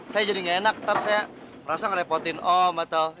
saya jadi nggak enak ntar saya merasa ngerepotin om atau